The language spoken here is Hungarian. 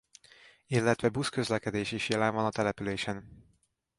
Illetve buszközlekedés is jelen van a településen.